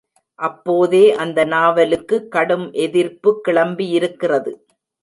அப்போதே அந்த நாவலுக்கு கடும் எதிர்ப்பு கிளம்பியிருக்கிறது.